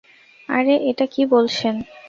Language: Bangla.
আরে, এটা কী বলছেন।